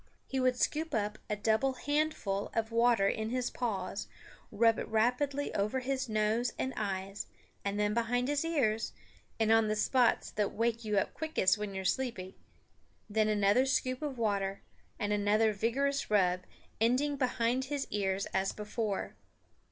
He would scoop up a double handful of water in his paws, rub it rapidly up over nose and eyes, and then behind his ears, on the spots that wake you up quickest when you are sleepy. Then another scoop of water, and another vigorous rub, ending behind his ears as before.